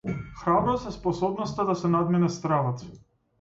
Храброст е способноста да се надмине стравот.